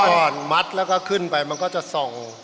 อ่อนมัดแล้วก็ขึ้นไปมันก็จะส่อง